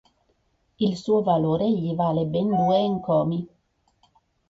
Il suo valore gli vale ben due encomi.